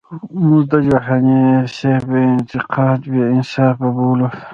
مونږ د جهانی سیب انتقاد بی انصافه بولو.